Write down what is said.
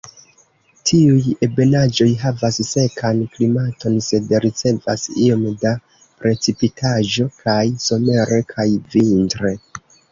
Tiuj ebenaĵoj havas sekan klimaton sed ricevas iom da precipitaĵo kaj somere kaj vintre.